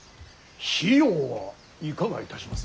費用はいかがいたします。